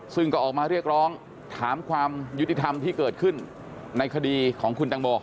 ซึ่งก็ออกมาเรียกร้องถามความยุติธรรมที่เกิดขึ้นในคดีของคุณตังโม